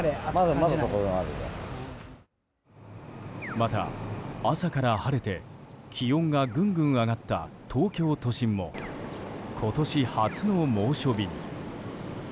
また、朝から晴れて気温がぐんぐん上がった東京都心も、今年初の猛暑日に。